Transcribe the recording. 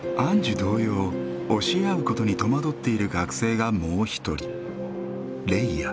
同様教え合うことに戸惑っている学生がもう一人。